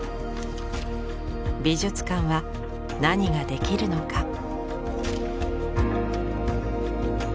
美術館は何ができるのか？